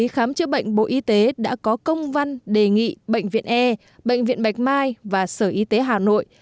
khám chữa bệnh bộ y tế đã có công văn đề nghị bệnh viện e bệnh viện bạch mai và sở y tế hà nội